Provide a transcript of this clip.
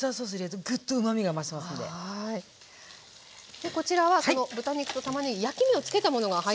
でこちらはその豚肉とたまねぎ焼き目をつけたものが入ってます。